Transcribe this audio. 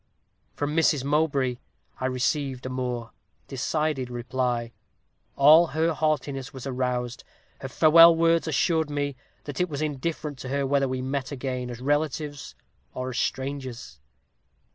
From Mrs. Mowbray I received a more decided reply. All her haughtiness was aroused. Her farewell words assured me, that it was indifferent to her whether we met again as relatives or as strangers.